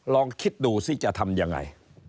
ลองคิดดูสิจะทำยังไง